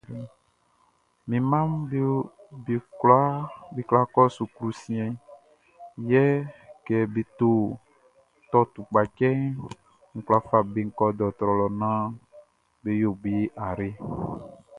Mi mmaʼm be kwla kɔ suklu siɛnʼn, yɛ kɛ be tɔ tukpacɛʼn, n kwla fa be kɔ dɔɔtrɔ lɔ naan be yo be ayre.